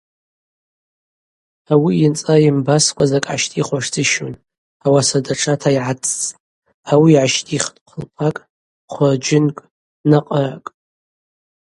Ауи йынцӏра йымбаскӏва закӏ гӏащтӏихуашдзищун, ауаса датшата йгӏацӏцӏтӏ: ауи йгӏащтӏихтӏ хъылпакӏ, хвырджьынкӏ, накъыракӏ.